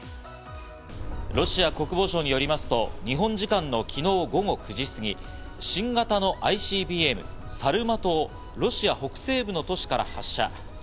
ロシア国防省によりますと、日本時間の昨日午後９時過ぎ、新型のＩＣＢＭ「サルマト」をロシア北西部の都市から発射。